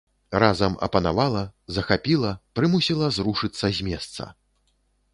Разам апанавала, захапіла, прымусіла зрушыцца з месца.